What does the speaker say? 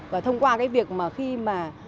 và thông qua cái việc mà khi mà